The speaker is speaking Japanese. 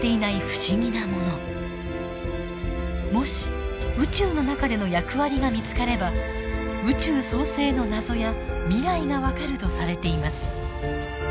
もし宇宙の中での役割が見つかれば宇宙創生の謎や未来が分かるとされています。